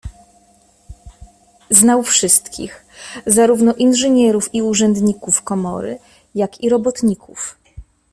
Znał wszystkich - zarówno inżynierów i urzędników komory jak i robotników.